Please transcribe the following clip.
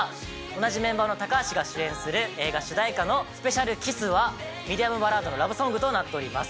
同じメンバーの高橋が主演する映画主題歌の『ＳｐｅｃｉａｌＫｉｓｓ』はミディアムバラードのラブソングとなっております。